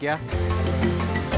ya unik ya